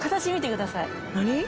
何？